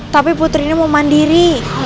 tapi putri ini mau mandiri